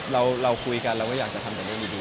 เราคุยกันเราก็อยากจะทำได้ดี